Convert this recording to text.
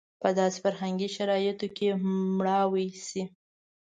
په داسې فرهنګي شرایطو کې مړاوې شي.